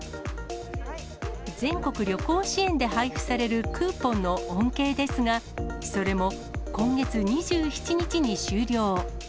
全国旅行支援で配布されるクーポンの恩恵ですが、それも今月２７日に終了。